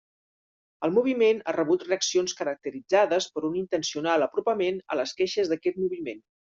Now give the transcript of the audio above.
El moviment ha rebut reaccions caracteritzades per un intencional apropament a les queixes d'aquest moviment.